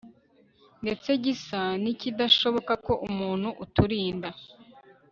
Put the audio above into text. ndetse gisa nikidashoboka ko umuntu utirinda